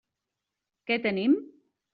Què tenim?